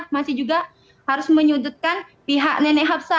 masih juga harus menyudutkan pihak nenek hapsah